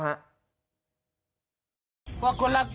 ว่าก็ว่าก็อีกแล้ว